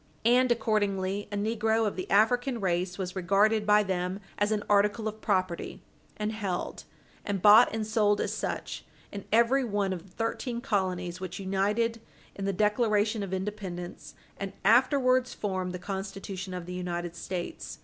And, accordingly, a negro of the African race was regarded by them as an article of property, and held, and bought and sold as such, in every one of the thirteen colonies which united in the Declaration of Independence and afterwards formed the Constitution of the United States.